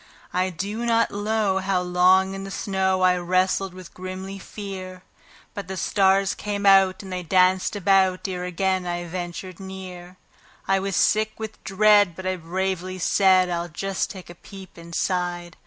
I do not know how long in the snow I wrestled with grisly fear; But the stars came out and they danced about ere again I ventured near; I was sick with dread, but I bravely said: "I'll just take a peep inside.